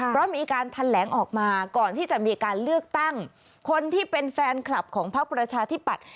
เพราะมีการแถลงออกมาก่อนที่จะมีการเลือกตั้งคนที่เป็นแฟนคลับของพักประชาธิปัตย